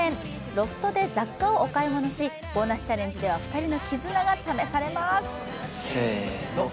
ロフトで雑貨をお買い物しボーナスチャレンジでは２人の絆が試されます。